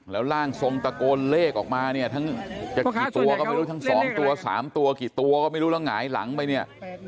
แล้วร่างทรงตะโกนเลขออกมาทั้งตั้ง๒ตัว๓ตัวลงหายหลังไปเนี่ย